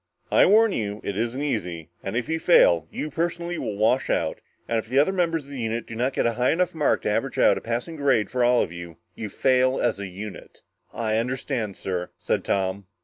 "I warn you, it isn't easy. And if you fail, you personally will wash out, and if other members of the unit do not get a high enough mark to average out to a passing grade for all of you, you fail as a unit." "I understand, sir," said Tom.